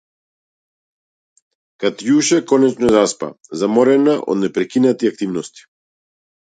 Катјуша конечно заспа, заморена од непрекинати активности.